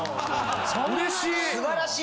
うれしい。